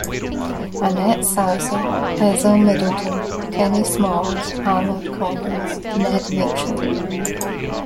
Annette Sausser, Ezell Middleton, Kenny Smalls, Arnold Collins, Ned Mitchell.